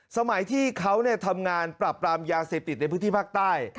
สมัยที่เขาทำงานปรับปรามยาเสพติดในพื้นที่ภาคใต้